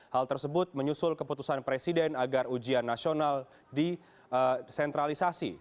hal tersebut menyusul keputusan presiden agar ujian nasional disentralisasi